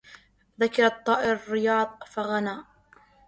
ذكر الطائر الرياض فغنى